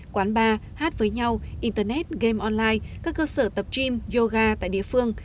quán bar hát với nhau internet game online các cơ sở tập gym yoga tại địa phương